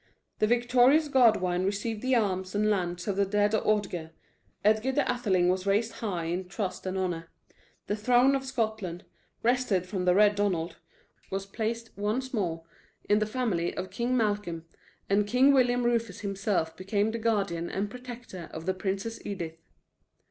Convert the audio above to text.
The victorious Godwine received the arms and lands of the dead Ordgar; Edgar the Atheling was raised high in trust and honor; the throne of Scotland, wrested from the Red Donald, was placed once more in the family of King Malcolm, and King William Rufus himself became the guardian and protector of the Princess Edith.